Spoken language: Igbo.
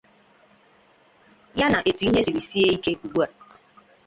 ya na etu ihe siri sie ike ugbua.